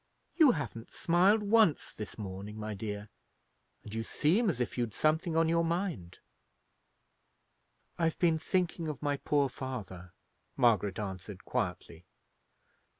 "You haven't smiled once this morning, my dear, and you seem as if you'd something on your mind." "I've been thinking of my poor father," Margaret answered, quietly.